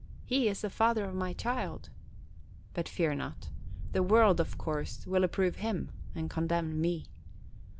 He is the father of my child! But fear not. The world, of course, will approve him and condemn me.